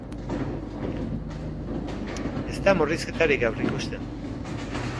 Ez da murrizketarik aurreikusten.